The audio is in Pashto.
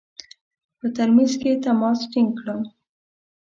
په ترمیز کې تماس ټینګ کړم.